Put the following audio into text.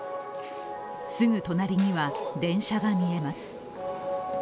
すぐ隣には電車が見えます。